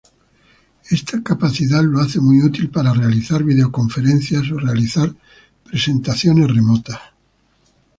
Esta capacidad lo hace muy útil para realizar videoconferencias o realizar presentaciones remotas.